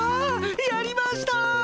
やりました！